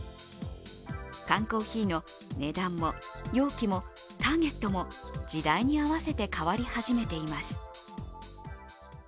缶コーヒーの値段も容器もターゲットも時代に合わせて変わり始めています。